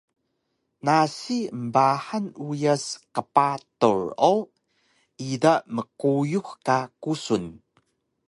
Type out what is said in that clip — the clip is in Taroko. nasi embahang uyas qpatur o ida mquyux ka kusun